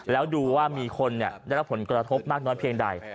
แล้วดูว่ามีคนได้รับผลกระทบมากน้อยเพียงใด